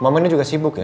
mama ini juga sibuk ya